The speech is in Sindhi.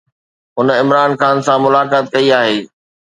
هن عمران خان سان ملاقات ڪئي آهي.